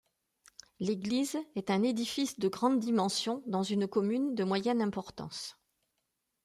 L'église est un édifice de grande dimension dans une commune de moyenne importance.